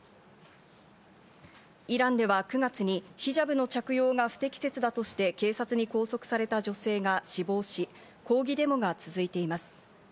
イランでは９月にヒジャブの着用が不適切だとして警察に拘束された女性が死亡し、抗議デモが続いています。